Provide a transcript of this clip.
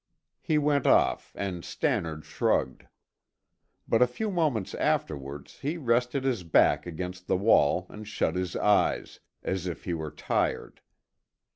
He went off and Stannard shrugged; but a few moments afterwards he rested his back against the wall and shut his eyes, as if he were tired.